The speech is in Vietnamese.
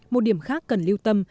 một điểm khác cần lưu tâm